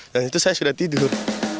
dan itu saya sudah tidur